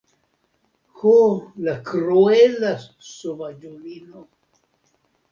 Ho, la kruela sovaĝulino.